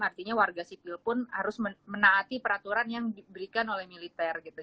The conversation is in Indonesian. artinya warga sipil pun harus menaati peraturan yang diberikan oleh militer gitu